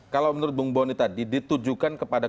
kalau menurut bung boni tadi ditujukan kepada